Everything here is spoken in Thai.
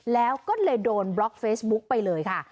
แล้วก็เลยโดนบล็อกเฟซบุ๊กไปเลยค่ะ